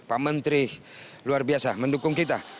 pak menteri luar biasa mendukung kita